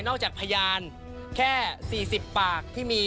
จากพยานแค่๔๐ปากที่มี